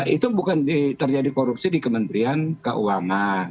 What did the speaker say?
itu bukan terjadi korupsi di kementerian keuangan